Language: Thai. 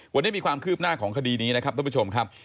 วันนี้มีความคืบหน้าของคดีนี้นะครับท่านผู้ชมครับ